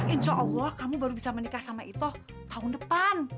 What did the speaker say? insya allah kamu baru bisa menikah sama ito tahun depan